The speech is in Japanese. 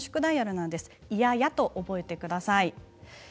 １８８いややと覚えてください。